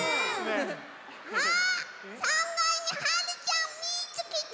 あっ３がいにはるちゃんみつけた！